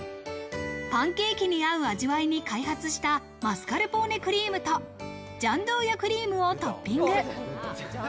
パンケーキに合う味わいに開発したマスカルポーネクリームとジャンドゥーヤクリームをトッピング。